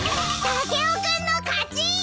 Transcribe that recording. タケオ君の勝ち！